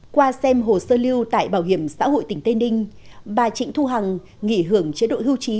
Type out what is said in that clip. qua xem hồ sơ lưu tại bảo hiểm xã hội tỉnh tây ninh bà trịnh thu hằng nghỉ hưởng chế độ hưu trí